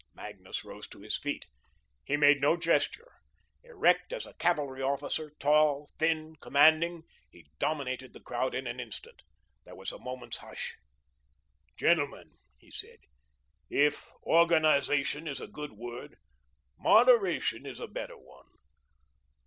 Magnus rose to his feet. He made no gesture. Erect as a cavalry officer, tall, thin, commanding, he dominated the crowd in an instant. There was a moment's hush. "Gentlemen," he said, "if organisation is a good word, moderation is a better one.